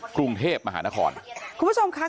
กรุงเทพฯมหาภรรณครคุณผู้ชมครับ